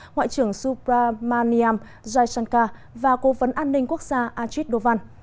ngoại trưởng subramaniam jaishankar và cố vấn an ninh quốc gia ajit dovan